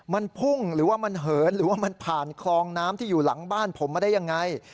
มันพุ่งหรือว่ามันเหินหรือว่ามันผ่านคลองน้ำที่อยู่หลังบ้านผมมาได้ยังไง